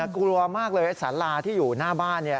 กลัวมากเลยสาราที่อยู่หน้าบ้าน